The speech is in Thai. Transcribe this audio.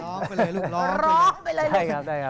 ร้องไปเลยลูกร้องไปเลยลูก